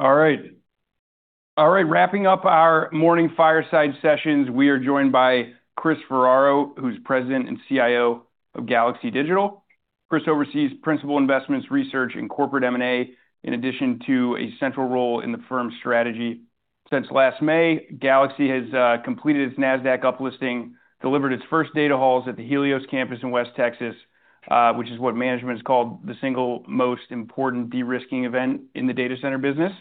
Sure. All right. Wrapping up our morning fireside sessions, we are joined by Chris Ferraro, who's President and CIO of Galaxy Digital. Chris oversees principal investments, research, and corporate M&A, in addition to a central role in the firm's strategy. Since last May, Galaxy has completed its Nasdaq up-listing, delivered its first data halls at the Helios campus in West Texas, which is what management has called the single most important de-risking event in the data center business.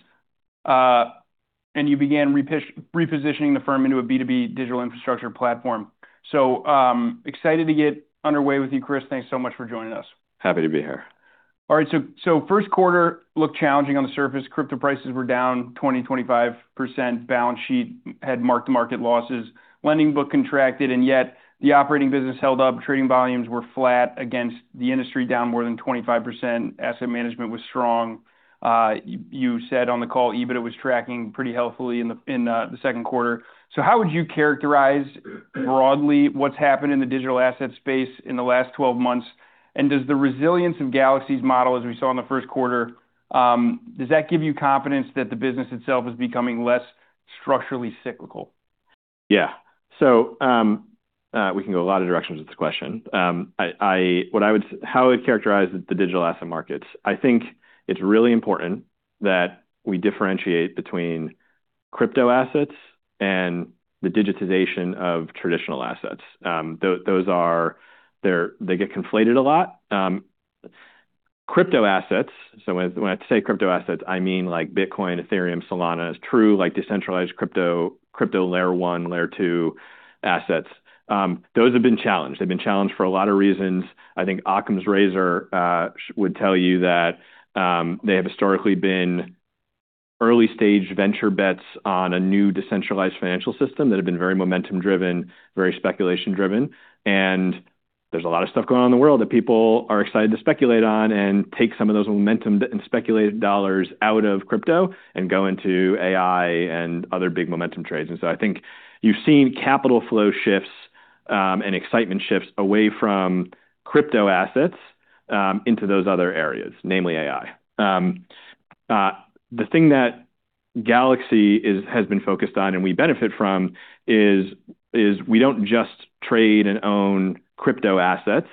You began repositioning the firm into a B2B digital infrastructure platform. Excited to get underway with you, Chris. Thanks so much for joining us. Happy to be here. All right. First quarter looked challenging on the surface. Crypto prices were down 20%, 25%. Balance sheet had mark-to-market losses. Lending book contracted, and yet the operating business held up. Trading volumes were flat against the industry, down more than 25%. Asset management was strong. You said on the call EBITDA was tracking pretty healthily in the second quarter. How would you characterize broadly what's happened in the digital asset space in the last 12 months? Does the resilience of Galaxy's model, as we saw in the first quarter, does that give you confidence that the business itself is becoming less structurally cyclical? Yeah. We can go a lot of directions with this question. How I would characterize the digital asset markets, I think it's really important that we differentiate between crypto assets and the digitization of traditional assets. They get conflated a lot. Crypto assets, so when I say crypto assets, I mean like Bitcoin, Ethereum, Solana, as true, like decentralized crypto Layer 1, Layer 2 assets. Those have been challenged. They've been challenged for a lot of reasons. I think Occam's Razor would tell you that they have historically been early-stage venture bets on a new decentralized financial system that have been very momentum driven, very speculation driven. There's a lot of stuff going on in the world that people are excited to speculate on and take some of those momentum and speculated dollars out of crypto and go into AI and other big momentum trades. I think you've seen capital flow shifts, and excitement shifts away from crypto assets into those other areas, namely AI. The thing that Galaxy has been focused on, and we benefit from, is we don't just trade and own crypto assets.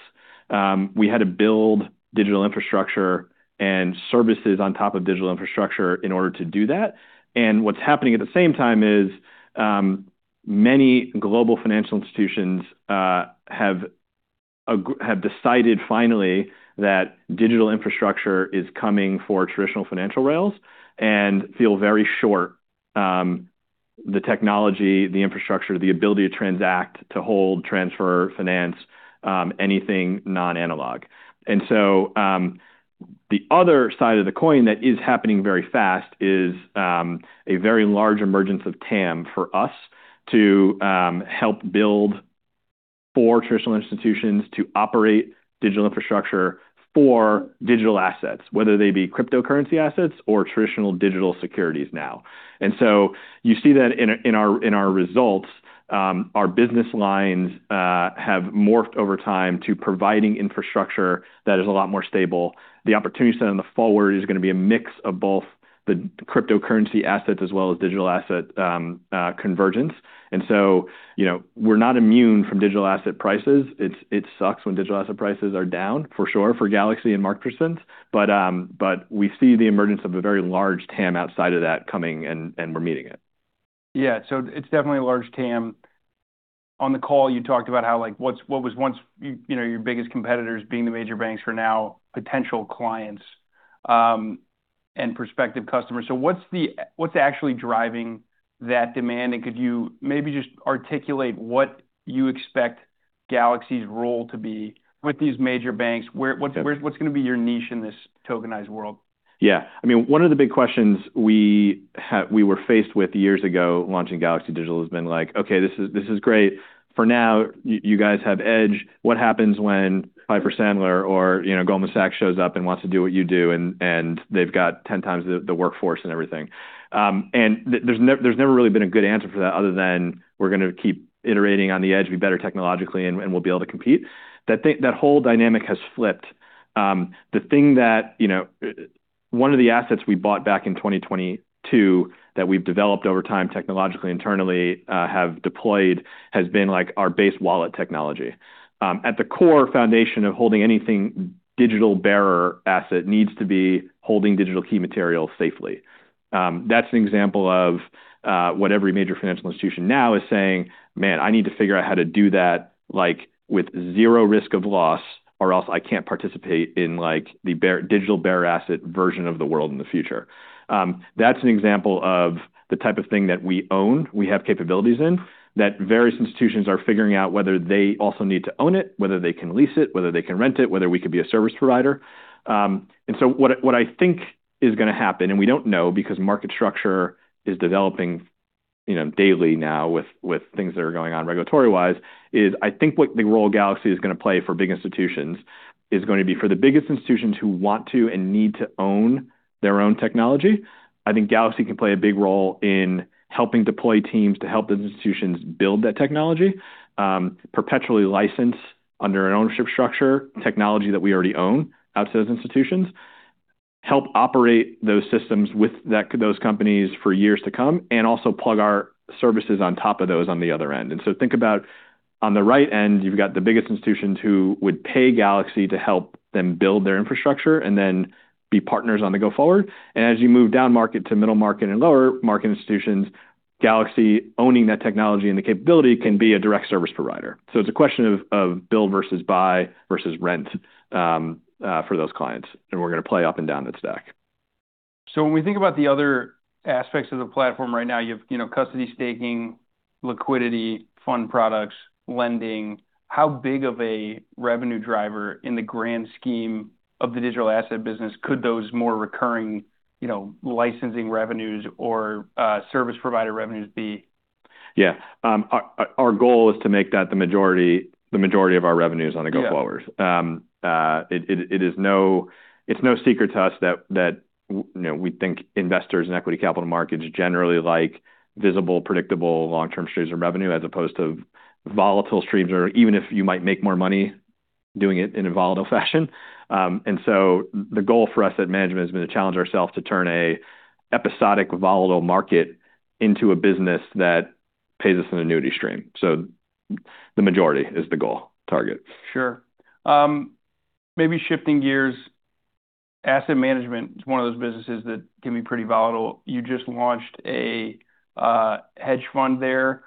We had to build digital infrastructure and services on top of digital infrastructure in order to do that. What's happening at the same time is many global financial institutions have decided finally that digital infrastructure is coming for traditional financial rails and feel very short. The technology, the infrastructure, the ability to transact, to hold, transfer, finance anything non-analog. The other side of the coin that is happening very fast is a very large emergence of TAM for us to help build for traditional institutions to operate digital infrastructure for digital assets, whether they be cryptocurrency assets or traditional digital securities now. You see that in our results, our business lines have morphed over time to providing infrastructure that is a lot more stable. The opportunity set in the forward is going to be a mix of both the cryptocurrency assets as well as digital asset convergence. We're not immune from digital asset prices. It sucks when digital asset prices are down, for sure, for Galaxy and Mark, [Crescent], but we see the emergence of a very large TAM outside of that coming and we're meeting it. Yeah. It's definitely a large TAM. On the call, you talked about how what was once your biggest competitors being the major banks are now potential clients and prospective customers. What's actually driving that demand, and could you maybe just articulate what you expect Galaxy's role to be with these major banks? What's going to be your niche in this tokenized world? One of the big questions we were faced with years ago launching Galaxy Digital has been like, "Okay, this is great. For now, you guys have edge. What happens when Piper Sandler or Goldman Sachs shows up and wants to do what you do, and they've got 10x the workforce and everything." There's never really been a good answer for that other than we're going to keep iterating on the edge. Be better technologically, we'll be able to compete. That whole dynamic has flipped. One of the assets we bought back in 2022 that we've developed over time technologically, internally, have deployed, has been our Base wallet technology. At the core foundation of holding anything digital bearer asset needs to be holding digital key material safely. That's an example of what every major financial institution now is saying, "Man, I need to figure out how to do that, like with zero risk of loss, or else I can't participate in the digital bearer asset version of the world in the future." That's an example of the type of thing that we own, we have capabilities in, that various institutions are figuring out whether they also need to own it, whether they can lease it, whether they can rent it, whether we can be a service provider. What I think is going to happen, and we don't know because market structure is developing daily now with things that are going on regulatory-wise, is I think what the role Galaxy is going to play for big institutions is going to be for the biggest institutions who want to and need to own their own technology. I think Galaxy can play a big role in helping deploy teams to help the institutions build that technology, perpetually license under an ownership structure, technology that we already own, out to those institutions. Help operate those systems with those companies for years to come, and also plug our services on top of those on the other end. Think about on the right end, you've got the biggest institutions who would pay Galaxy to help them build their infrastructure and then be partners on the go forward. As you move down market to middle market and lower market institutions, Galaxy owning that technology and the capability can be a direct service provider. It's a question of build versus buy versus rent for those clients, and we're going to play up and down that stack. When we think about the other aspects of the platform right now, you have custody staking, liquidity, fund products, lending. How big of a revenue driver in the grand scheme of the digital asset business could those more recurring licensing revenues or service provider revenues be? Our goal is to make that the majority of our revenues on the go forwards. It's no secret to us that we think investors in equity capital markets generally like visible, predictable long-term streams of revenue as opposed to volatile streams, or even if you might make more money doing it in a volatile fashion. The goal for us at management has been to challenge ourselves to turn a episodic volatile market into a business that pays us an annuity stream. The majority is the goal target. Sure. Maybe shifting gears, asset management is one of those businesses that can be pretty volatile. You just launched a hedge fund there.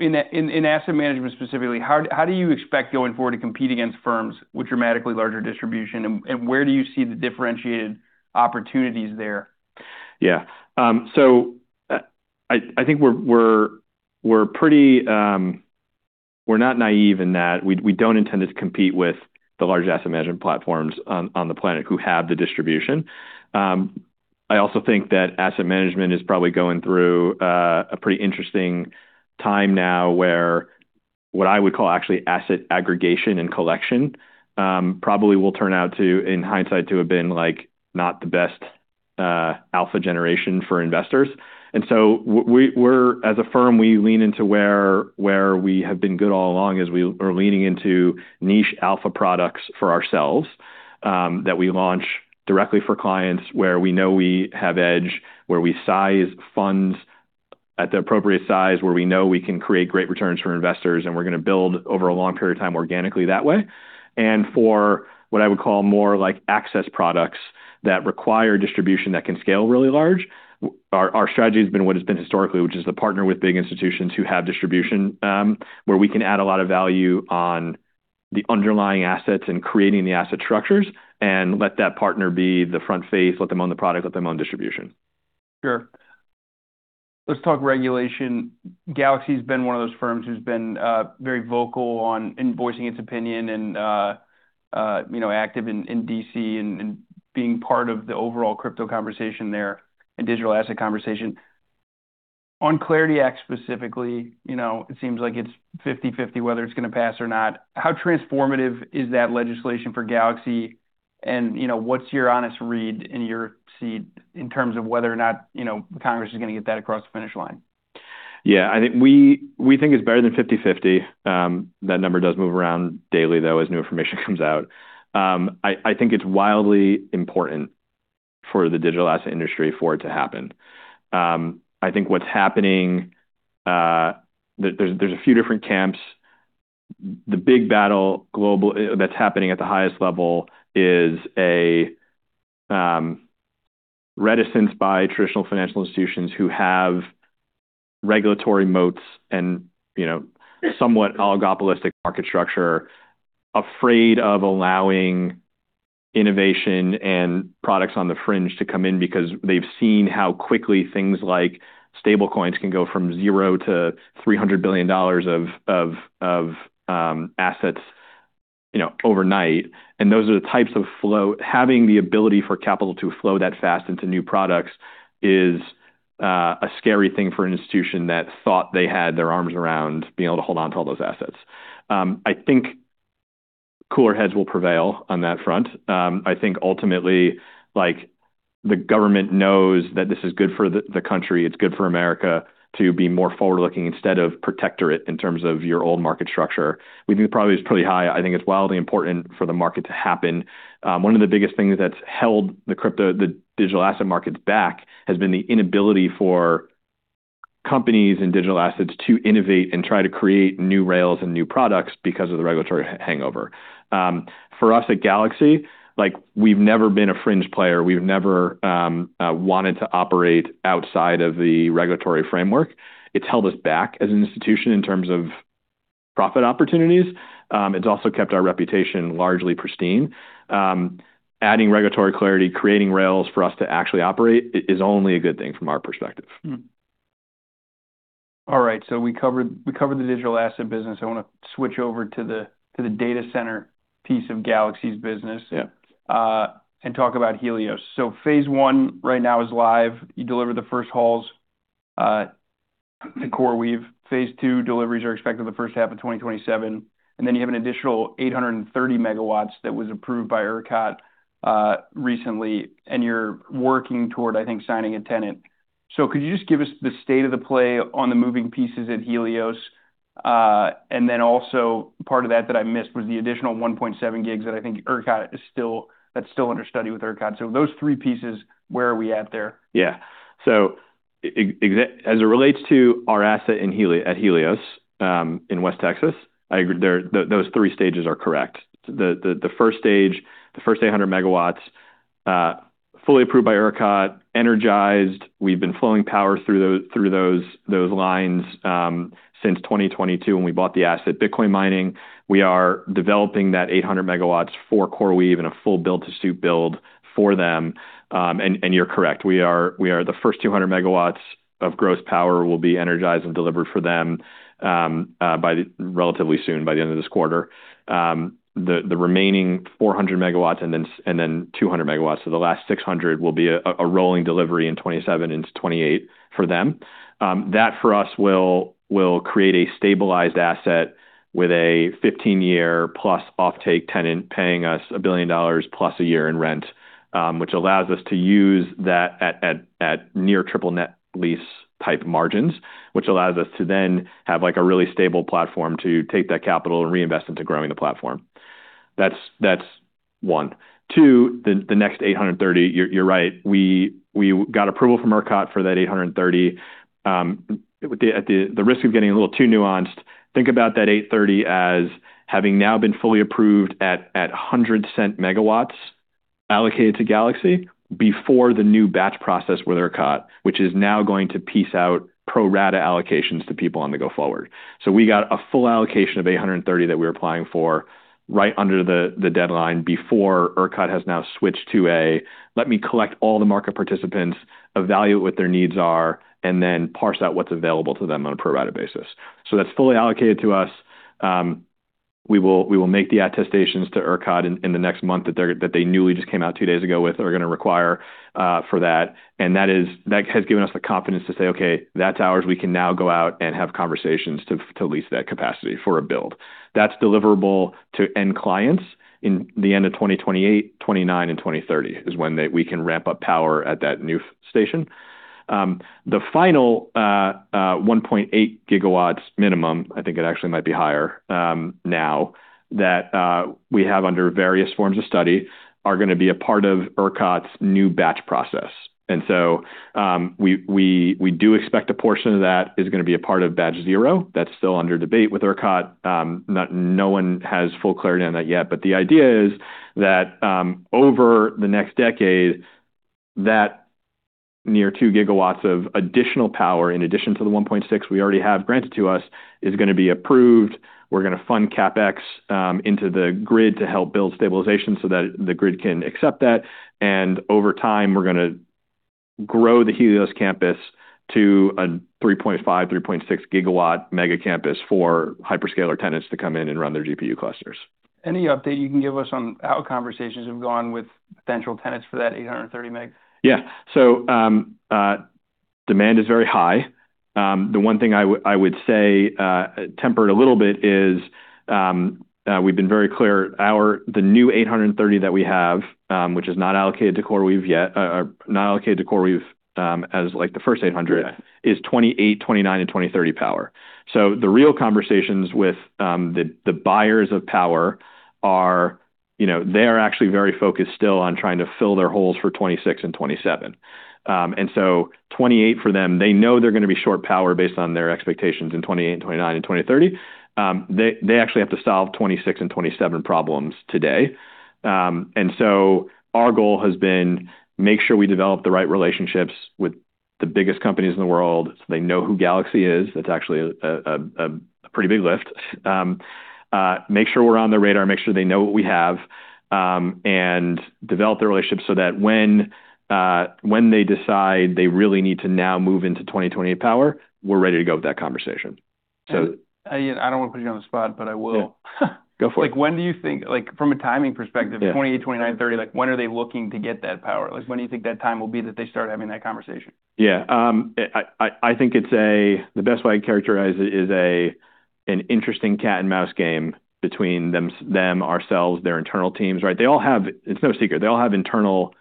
In asset management specifically, how do you expect going forward to compete against firms with dramatically larger distribution, and where do you see the differentiated opportunities there? Yeah. I think we're not naive in that we don't intend to compete with the large asset management platforms on the planet who have the distribution. I also think that asset management is probably going through a pretty interesting time now where what I would call actually asset aggregation and collection probably will turn out to, in hindsight, to have been not the best alpha generation for investors. As a firm, we lean into where we have been good all along, is we are leaning into niche alpha products for ourselves that we launch directly for clients where we know we have edge, where we size funds at the appropriate size, where we know we can create great returns for investors, and we're going to build over a long period of time organically that way. For what I would call more like access products that require distribution that can scale really large, our strategy has been what it's been historically, which is to partner with big institutions who have distribution, where we can add a lot of value on the underlying assets and creating the asset structures, and let that partner be the front face, let them own the product, let them own distribution. Sure. Let's talk regulation. Galaxy's been one of those firms who's been very vocal in voicing its opinion and active in D.C. and being part of the overall crypto conversation there and digital asset conversation. On CLARITY Act specifically, it seems like it's 50/50 whether it's going to pass or not. How transformative is that legislation for Galaxy? What's your honest read in your seat in terms of whether or not Congress is going to get that across the finish line? Yeah. I think we think it's better than 50/50. That number does move around daily, though, as new information comes out. I think it's wildly important for the digital asset industry for it to happen. I think what's happening, there's a few different camps. The big battle that's happening at the highest level is a reticence by traditional financial institutions who have regulatory moats and somewhat oligopolistic market structure, afraid of allowing innovation and products on the fringe to come in because they've seen how quickly things like stablecoins can go from zero to $300 billion of assets overnight. Those are the types of flow. Having the ability for capital to flow that fast into new products is a scary thing for an institution that thought they had their arms around being able to hold onto all those assets. I think cooler heads will prevail on that front. I think ultimately, the government knows that this is good for the country. It's good for America to be more forward-looking instead of protectorate in terms of your old market structure. We think the probability is pretty high. I think it's wildly important for the market to happen. One of the biggest things that's held the digital asset markets back has been the inability for companies and digital assets to innovate and try to create new rails and new products because of the regulatory hangover. For us at Galaxy, we've never been a fringe player. We've never wanted to operate outside of the regulatory framework. It's held us back as an institution in terms of profit opportunities. It's also kept our reputation largely pristine. Adding regulatory clarity, creating rails for us to actually operate is only a good thing from our perspective. All right. We covered the digital asset business. I want to switch over to the data center piece of Galaxy's business. Yeah. Talk about Helios. Phase I right now is live. You delivered the first halls to CoreWeave. Phase II deliveries are expected the first half of 2027, and then you have an additional 830 MW that was approved by ERCOT recently, and you're working toward, I think, signing a tenant. Could you just give us the state of the play on the moving pieces at Helios? Also part of that that I missed was the additional 1.7 GW that I think ERCOT is still under study with ERCOT. Those three pieces, where are we at there? As it relates to our asset at Helios in West Texas, I agree, those three stages are correct. The first stage, the first 800 MW, fully approved by ERCOT, energized. We've been flowing power through those lines since 2022 when we bought the asset. Bitcoin mining, we are developing that 800 MW for CoreWeave and a full build to suit build for them. You're correct. We are the first 200 MW of gross power will be energized and delivered for them relatively soon, by the end of this quarter. The remaining 400 MW and then 200 MW, the last 600 MW will be a rolling delivery in 2027 into 2028 for them. That, for us, will create a stabilized asset with a +15-year offtake tenant paying us $1 billion+ a year in rent, which allows us to use that at near triple net lease type margins, which allows us to then have a really stable platform to take that capital and reinvest into growing the platform. That's one. Two, the next 830 MW, you're right. We got approval from ERCOT for that 830 MW. At the risk of getting a little too nuanced, think about that 830 MW as having now been fully approved at 100 MW allocated to Galaxy before the new batch process with ERCOT, which is now going to piece out pro rata allocations to people on the go forward. We got a full allocation of 830 MW that we were applying for right under the deadline before ERCOT has now switched to a, let me collect all the market participants, evaluate what their needs are, and then parse out what's available to them on a pro rata basis. That's fully allocated to us. We will make the attestations to ERCOT in the next month that they newly just came out two days ago with, are going to require for that. That has given us the confidence to say, "Okay, that's ours." We can now go out and have conversations to lease that capacity for a build. That's deliverable to end clients in the end of 2028, 2029, and 2030 is when we can ramp up power at that new station. The final 1.8 GW minimum, I think it actually might be higher now, that we have under various forms of study are going to be a part of ERCOT's new batch process. We do expect a portion of that is going to be a part of batch zero. That's still under debate with ERCOT. No one has full clarity on that yet. The idea is that over the next decade, that near 2 GW of additional power, in addition to the 1.6 GW we already have granted to us, is going to be approved. We're going to fund CapEx into the grid to help build stabilization so that the grid can accept that. Over time, we're going to grow the Helios campus to a 3.5 GW, 3.6 GW mega campus for hyperscaler tenants to come in and run their GPU clusters. Any update you can give us on how conversations have gone with potential tenants for that 830 MW? Yeah. Demand is very high. The one thing I would say, tempered a little bit, is we've been very clear. The new 830 MW that we have, which is not allocated to CoreWeave yet, or not allocated to CoreWeave as like the first 800 MW is 2028, 2029, and 2030 power. The real conversations with the buyers of power are they are actually very focused still on trying to fill their holes for 2026 and 2027. 2028 for them, they know they're going to be short power based on their expectations in 2028 and 2029 and 2030. They actually have to solve 2026 and 2027 problems today. Our goal has been make sure we develop the right relationships with the biggest companies in the world so they know who Galaxy is. That's actually a pretty big lift. Make sure we're on their radar, make sure they know what we have, and develop the relationship so that when they decide they really need to now move into 2028 power, we're ready to go with that conversation. I don't want to put you on the spot, but I will. Yeah. Go for it. When do you think, from a timing perspective? 2028, 2029, 2030, when are they looking to get that power? When do you think that time will be that they start having that conversation? Yeah. I think the best way to characterize it is an interesting cat and mouse game between them, ourselves, their internal teams, right? It's no secret, they all have internal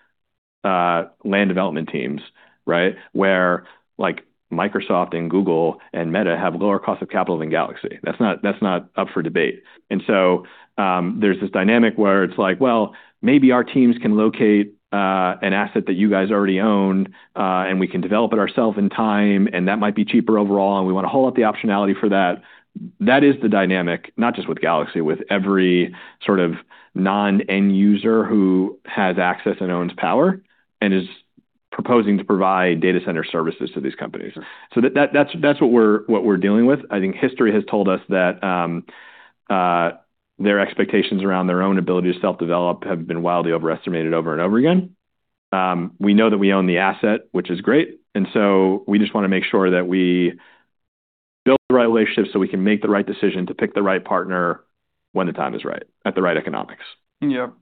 land development teams, right? Where Microsoft and Google and Meta have lower cost of capital than Galaxy. That's not up for debate. There's this dynamic where it's like, well, maybe our teams can locate an asset that you guys already own, and we can develop it ourself in time, and that might be cheaper overall, and we want to hold up the optionality for that. That is the dynamic, not just with Galaxy, with every sort of non-end user who has access and owns power and is proposing to provide data center services to these companies. That's what we're dealing with. I think history has told us that their expectations around their own ability to self-develop have been wildly overestimated over and over again. We know that we own the asset, which is great, and so we just want to make sure that we build the right relationships so we can make the right decision to pick the right partner when the time is right at the right economics. Yep.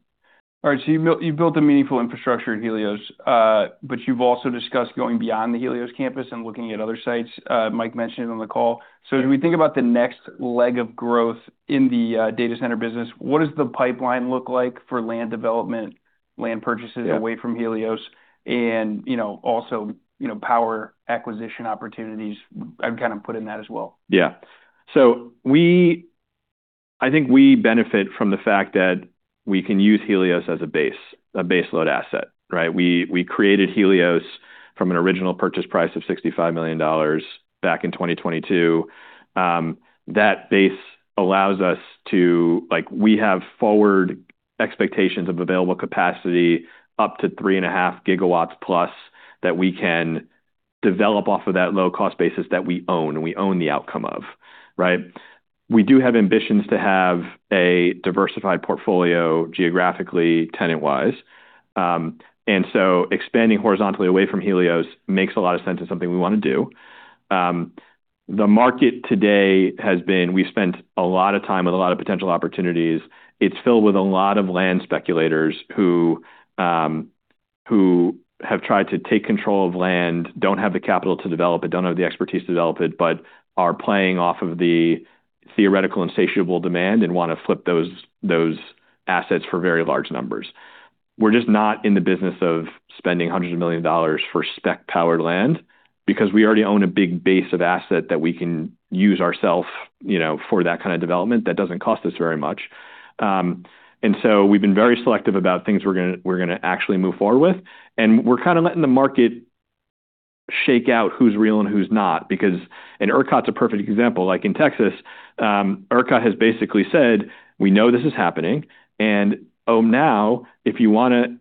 All right. You've built a meaningful infrastructure at Helios, but you've also discussed going beyond the Helios campus and looking at other sites. Mike mentioned it on the call. As we think about the next leg of growth in the data center business, what does the pipeline look like for land development and land purchases away from Helios and also power acquisition opportunities. I'd put in that as well. I think we benefit from the fact that we can use Helios as a base, a base load asset, right? We created Helios from an original purchase price of $65 million back in 2022. That base allows us, we have forward expectations of available capacity up to +3.5 GW that we can develop off of that low-cost basis that we own, and we own the outcome of, right? We do have ambitions to have a diversified portfolio geographically, tenant-wise. Expanding horizontally away from Helios makes a lot of sense and something we want to do. The market today has been, we've spent a lot of time with a lot of potential opportunities. It's filled with a lot of land speculators who have tried to take control of land, don't have the capital to develop it, don't have the expertise to develop it, but are playing off of the theoretical insatiable demand and want to flip those assets for very large numbers. We're just not in the business of spending hundreds of million dollars for spec-powered land because we already own a big base of asset that we can use ourself for that kind of development that doesn't cost us very much. We've been very selective about things we're going to actually move forward with. We're kind of letting the market shake out who's real and who's not because, and ERCOT's a perfect example. Like in Texas, ERCOT has basically said, "We know this is happening, and now if you want to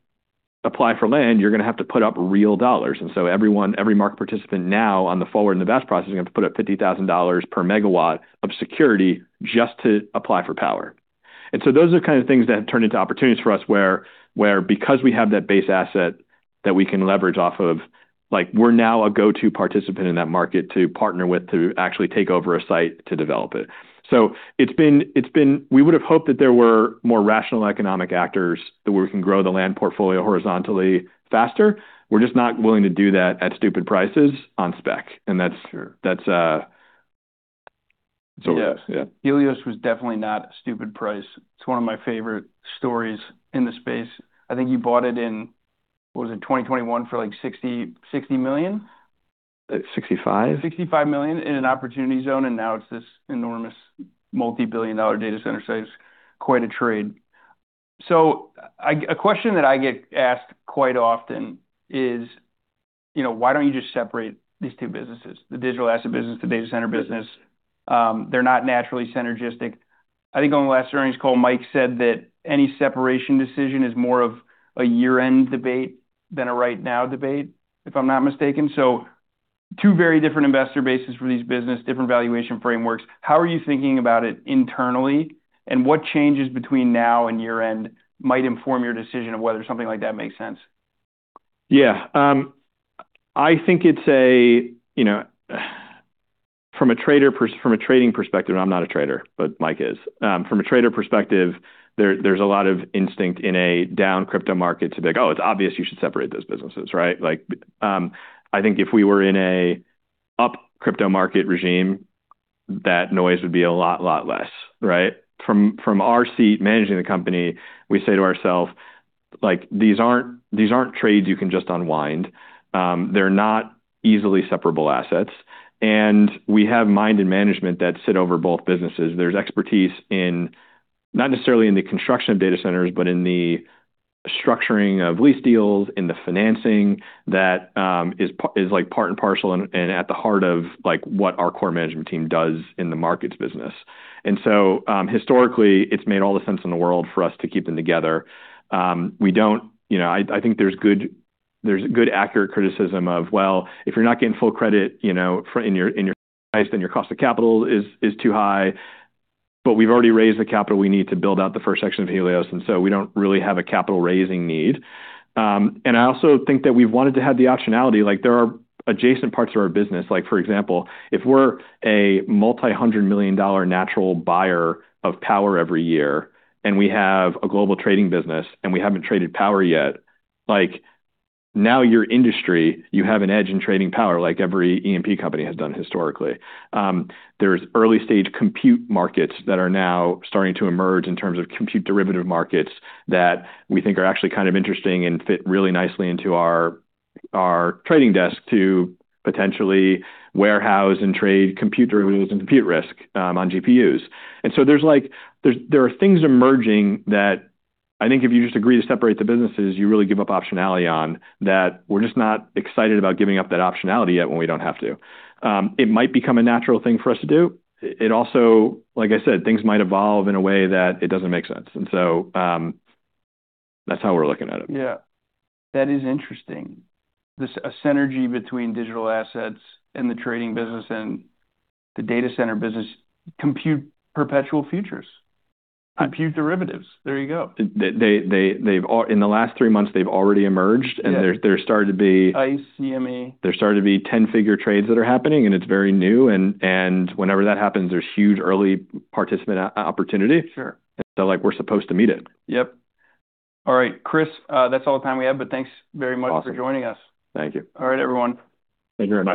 apply for land, you're going to have to put up real dollars." Every market participant now on the forward and the back process is going to have to put up $50,000 per megawatt of security just to apply for power. Those are kind of things that have turned into opportunities for us where because we have that base asset that we can leverage off of, we're now a go-to participant in that market to partner with to actually take over a site to develop it. We would've hoped that there were more rational economic actors that we can grow the land portfolio horizontally faster. We're just not willing to do that at stupid prices on spec. That's it, yeah. Helios was definitely not a stupid price. It's one of my favorite stories in the space. I think you bought it in, what was it? 2021 for like $60 million? $65 million. $65 million in an opportunity zone, and now it's this enormous multi-billion dollar data center site. It's quite a trade. A question that I get asked quite often is, why don't you just separate these two businesses, the digital asset business, the data center business? They're not naturally synergistic. I think on the last earnings call, Mike said that any separation decision is more of a year-end debate than a right now debate, if I'm not mistaken. Two very different investor bases for these business, different valuation frameworks. How are you thinking about it internally, and what changes between now and year-end might inform your decision of whether something like that makes sense? I think from a trading perspective, I'm not a trader, but Mike is. From a trader perspective, there's a lot of instinct in a down crypto market to be like, "Oh, it's obvious you should separate those businesses," right? I think if we were in a up crypto market regime, that noise would be a lot less, right? From our seat managing the company, we say to ourself, these aren't trades you can just unwind. They're not easily separable assets. We have mind and management that sit over both businesses. There's expertise in not necessarily in the construction of data centers, but in the structuring of lease deals, in the financing that is part and parcel and at the heart of what our core management team does in the markets business. Historically, it's made all the sense in the world for us to keep them together. I think there's good, accurate criticism of, well, if you're not getting full credit in your price, then your cost of capital is too high. We've already raised the capital we need to build out the first section of Helios, we don't really have a capital raising need. I also think that we've wanted to have the optionality, like there are adjacent parts of our business. For example, if we're a multi-hundred million dollar natural buyer of power every year, and we have a global trading business, and we haven't traded power yet, now you're industry, you have an edge in trading power like every E&P company has done historically. There's early stage compute markets that are now starting to emerge in terms of compute derivative markets that we think are actually kind of interesting and fit really nicely into our trading desk to potentially warehouse and trade compute derivatives and compute risk on GPUs. There are things emerging that I think if you just agree to separate the businesses, you really give up optionality on that we're just not excited about giving up that optionality yet when we don't have to. It might become a natural thing for us to do. It also, like I said, things might evolve in a way that it doesn't make sense. That's how we're looking at it. Yeah. That is interesting. There's a synergy between digital assets and the trading business and the data center business compute perpetual futures. Compute derivatives. There you go. In the last three months, they've already emerged and there's started to be-- ICE, CME There's started to be 10-figure trades that are happening, and it's very new, and whenever that happens, there's huge early participant opportunity. Sure. We're supposed to meet it. Yep. All right, Chris, that's all the time we have, but thanks very much for joining us. Thank you. All right, everyone. Thank you very much.